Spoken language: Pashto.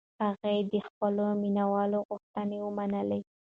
هغې د خپلو مینهوالو غوښتنې ومنلې.